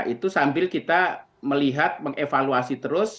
itu sambil kita melihat mengevaluasi terus